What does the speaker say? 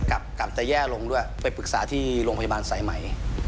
กลับแต่แย่ลงด้วยไปปรึกษาที่โรงพยาบาลไสมัย